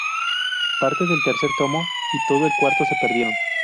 Parte del tercer tomo y todo el cuarto se perdieron.